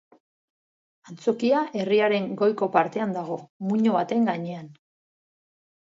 Antzokia herriaren goiko partean dago, muino baten gainean.